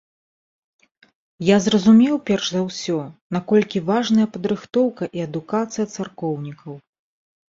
Я зразумеў перш за ўсё, наколькі важная падрыхтоўка і адукацыя царкоўнікаў.